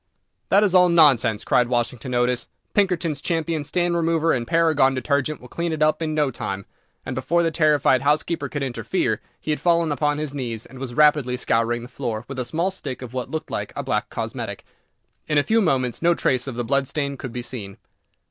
"That is all nonsense," cried Washington Otis; "Pinkerton's Champion Stain Remover and Paragon Detergent will clean it up in no time," and before the terrified housekeeper could interfere, he had fallen upon his knees, and was rapidly scouring the floor with a small stick of what looked like a black cosmetic. In a few moments no trace of the blood stain could be seen.